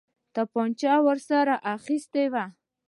توپنچه ورسره اخیستې وه.